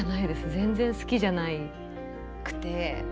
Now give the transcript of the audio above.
全然好きじゃなくて。